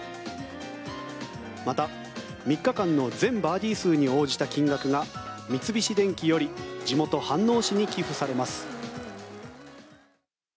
また、３日間の全バーディー数に応じた金額が三菱電機より地元・飯能市に寄付されます。